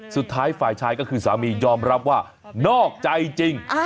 สุดท้ายฝ่ายชายก็คือสามียอมรับว่านอกใจจริง